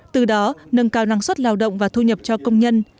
từ đó nâng cao năng suất lao động và thu nhập cho công nhân